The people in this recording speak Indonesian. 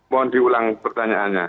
mohon diulang pertanyaannya